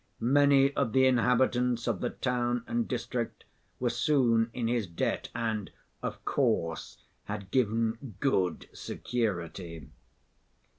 Many of the inhabitants of the town and district were soon in his debt, and, of course, had given good security.